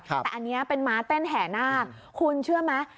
แต่อันนี้เป็นม้าเต้นแถ่หน้าคุณเชื่อมั้ย